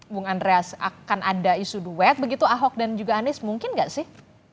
bung andreas akan ada isu duet begitu ahok dan juga anies mungkin nggak sih